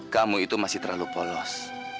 kamu itu masih terlalu polos